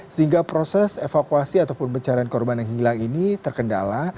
sehingga proses evakuasi ataupun pencarian korban yang hilang ini terkendala